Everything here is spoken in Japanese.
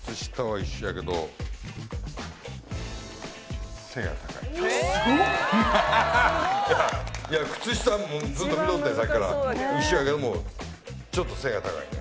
いやいや靴下もずっと見とったんやさっきから一緒やけどもちょっと背が高いね